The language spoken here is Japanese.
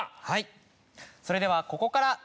はいそれではここから。